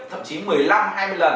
thậm chí một mươi năm hai mươi lần